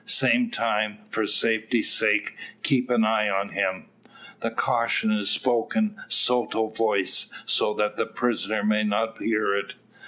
Same time, for safety's sake, keep an eye on him." The caution is spoken sotto voce, so that the prisoner may not hear it.